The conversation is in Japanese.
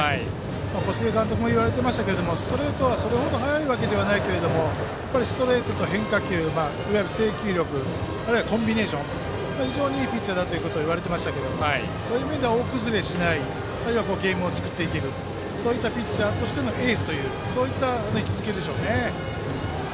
小菅監督も言われていましたがストレートはそれほど速いわけではないけどストレートと変化球いわゆる制球力あるいはコンビネーションが非常にいいピッチャーだと言われていましたがそういう意味では大崩れせずにゲームを作っていけるそういった、エースという位置づけでしょうね。